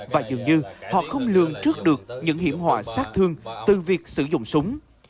và dường như họ không lường trước được những hiểm hỏa sắc thương từ việc sử dụng súng